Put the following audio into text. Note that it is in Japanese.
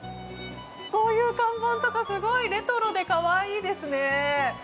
こういう看板とか、すごいレトロで可愛いですね！